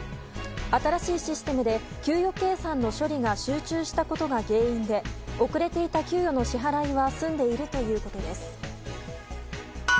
新しいシステムで給与計算の処理が集中したことが原因で遅れていた給与の支払いは済んでいるということです。